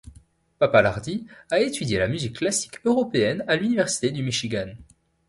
Pappalardi a étudié la musique classique européenne à l'université du Michigan.